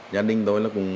nhà đinh tôi là cùng